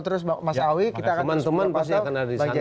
teman teman pasti akan ada disana ya